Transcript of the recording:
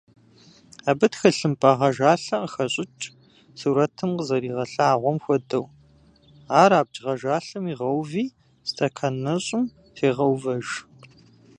Абы тхылъымпӀэ гъэжалъэ къыхэщӀыкӀ, сурэтым къызэригъэлъагъуэм хуэдэу, ар абдж гъэжалъэм игъэуви стэкан нэщӀым тегъэувэж.